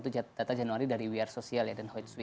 itu data januari dari we are social dan hoi tzwi